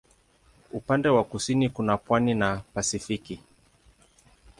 Upande wa kusini kuna pwani na Pasifiki.